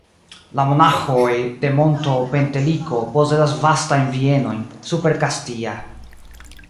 La monaĥoj de monto Penteliko posedas vastajn bienojn super Kastia.